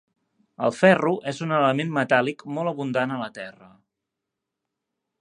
El ferro és un element metàl·lic molt abundant a la Terra.